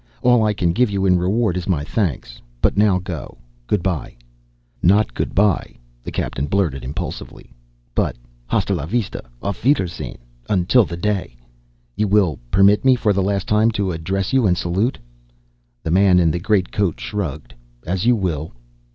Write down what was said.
All I can give you in reward is my thanks. But now go. Goodbye." "Not goodbye," the captain blurted impulsively, "but hasta la vista, auf Wiedersehen, until the day ... you will permit me, for the last time to address you and salute?" The man in the greatcoat shrugged. "As you will."